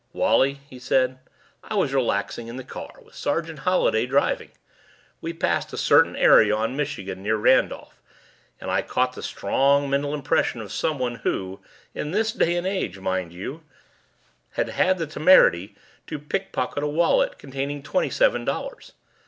"Wally," he said, "I was relaxing in the car with Sergeant Holliday driving. We passed a certain area on Michigan near Randolph and I caught the strong mental impression of someone who in this day and age, mind you had had the temerity to pickpocket a wallet containing twenty seven dollars.